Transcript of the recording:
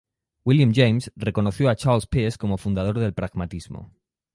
William James reconoció a Charles Peirce como fundador del pragmatismo.